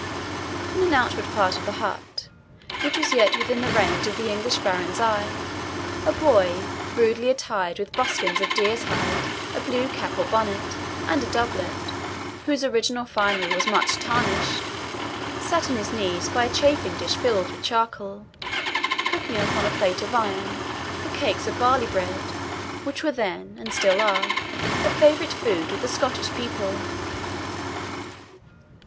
In an outward part of the hut, which yet was within the range of the English baron's eye, a boy, rudely attired with buskins of deer's hide, a blue cap or bonnet, and a doublet, whose original finery was much tarnished, sat on his knees by a chafing dish filled with charcoal, cooking upon a plate of iron the cakes of barley bread, which were then, and still are, a favourite food with the Scottish people.